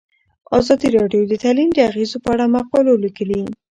ازادي راډیو د تعلیم د اغیزو په اړه مقالو لیکلي.